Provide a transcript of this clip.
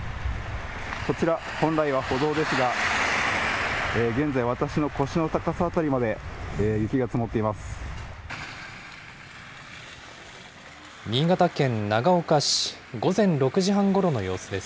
こちら、本来は歩道ですが、現在、私の腰の高さ辺りまで雪が積もっています。